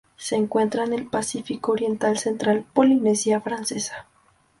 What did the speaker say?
Se encuentra en el Pacífico oriental central: Polinesia Francesa.